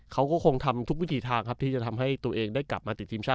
เขาก็คงทำทุกวิถีทางครับที่จะทำให้ตัวเองได้กลับมาติดทีมชาติ